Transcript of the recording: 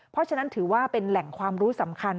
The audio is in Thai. เพราะฉะนั้นถือว่าเป็นแหล่งความรู้สำคัญ